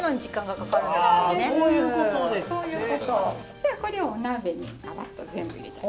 じゃあこれをお鍋にガバッと全部入れちゃう。